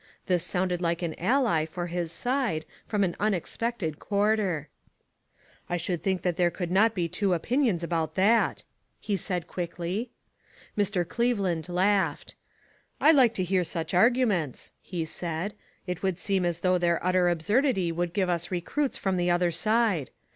This sounded like an ally for his side, from an unexpected quarter. "I should think there could not be two opinions about that," he said quickly. Mr. Cleveland laughed. "I like to hear such arguments," he said; "it would seem as though their utter ab surdity would give us recruits from the other side.